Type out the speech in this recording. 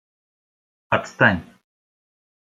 Отстань!..